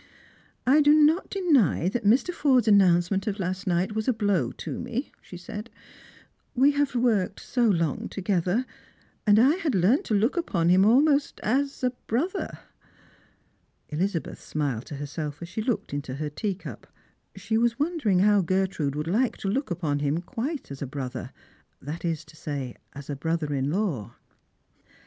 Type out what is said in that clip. "I do not deny that Mr. Forde's announcement of last night was a blow to me," she said. " We have worked so long together, and I had learnt to look upon him almost as a brother.'' Elizabeth smiled to herself as she looked into her teacup. She was wondering how Gertrude would like to look upon him quite as a brother ; that is to say, as a brother in law.